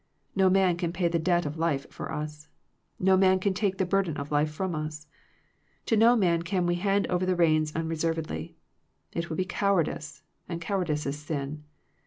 No man can pay the debt of life for us. No man can take the burden of life from us. To no man can we hand over the reins un« reservedly. It would be cowardice, and cowardice is sin.